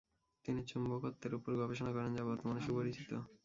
তিনি চুম্বকত্বের উপর গবেষণা করেন, যা বর্তমানে সুপরিচিত।